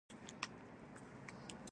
راځه ډوډۍ وخورو.